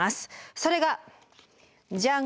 それがジャン！